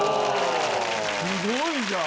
すごいじゃん！